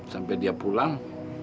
sampai dia pulang